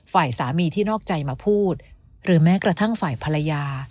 ฝ่ายสามีที่นอกใจมาพูดหรือแม้กระทั่งฝ่ายภรรยา